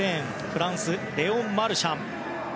フランスのレオン・マルシャン。